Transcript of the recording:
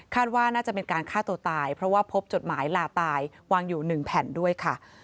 ว่าน่าจะเป็นการฆ่าตัวตายเพราะว่าพบจดหมายลาตายวางอยู่๑แผ่นด้วยค่ะ